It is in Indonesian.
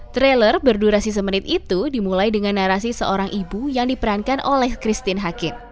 trailer berdurasi semenit itu dimulai dengan narasi seorang ibu yang diperankan oleh christine hakim